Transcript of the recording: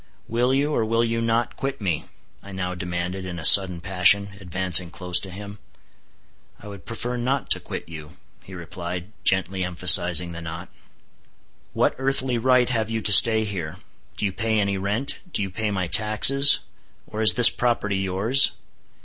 "Will you, or will you not, quit me?" I now demanded in a sudden passion, advancing close to him. "I would prefer not to quit you," he replied, gently emphasizing the not. "What earthly right have you to stay here? Do you pay any rent? Do you pay my taxes? Or is this property yours?"